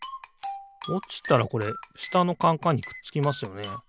おちたらこれしたのカンカンにくっつきますよね。